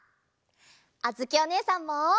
あづきおねえさんも！